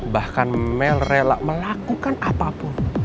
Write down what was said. bahkan mel rela melakukan apapun